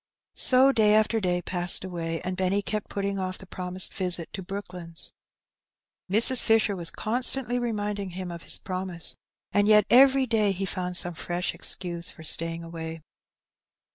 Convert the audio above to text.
So day after day passed away, and Benny kept putting off the promised visit to Brooklands. Mrs. Fisher was constantly reminding him of his promise, and yet every day he found some fresh excuse for staying away.